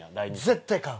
絶対買う。